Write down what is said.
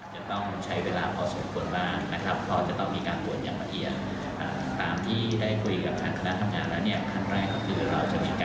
กระโว้งศีรษะการฟ้านอกจากนั้นก็จะมีอาการชาชุดอีกครั้งหนึ่ง